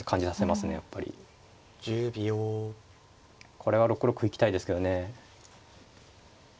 これは６六歩行きたいですけどね。